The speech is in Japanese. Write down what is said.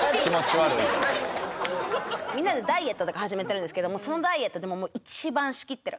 みんなでダイエットとか始めてるんですけどもそのダイエットでももう一番仕切ってる。